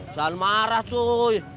jangan marah cuy